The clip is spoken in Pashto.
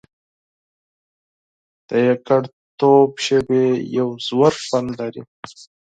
د یوازیتوب شېبې یو ژور خوند لري.